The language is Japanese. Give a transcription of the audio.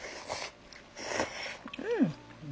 うん！